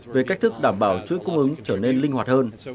về cách thức đảm bảo chuỗi cung ứng trở nên linh hoạt hơn